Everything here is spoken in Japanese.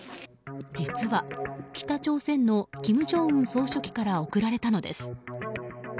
実は北朝鮮の金正恩総書記から贈られたのです。